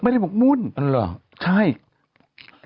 ไม่ได้หมกมุ่นใช่อันเหรอ